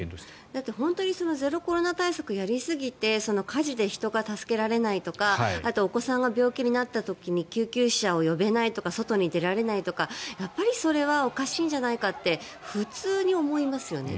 だって本当にゼロコロナ対策をやりすぎて火事で人が助けられないとかあとお子さんが病気になった時に救急車を呼べないとか外に出れないとかやっぱりそれはおかしいんじゃないかって普通に思いますよね。